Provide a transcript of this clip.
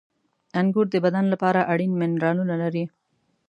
• انګور د بدن لپاره اړین منرالونه لري.